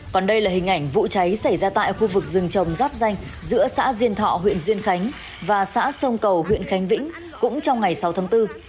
còn đây là hình ảnh vụ cháy xảy ra tại khu vực rừng trồng giáp danh giữa xã diên thọ huyện diên khánh và xã sông cầu huyện khánh vĩnh cũng trong ngày sáu tháng bốn